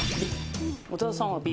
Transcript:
長田さんはＢ。